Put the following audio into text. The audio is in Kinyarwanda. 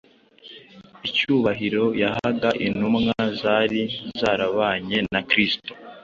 icyubahiro yahaga intumwa zari zarabanye na Kristo,